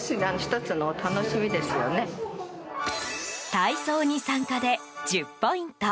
体操に参加で１０ポイント。